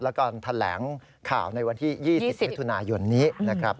แล้วก็แถลงข่าวในวันที่๒๐มิถุนายนนี้นะครับ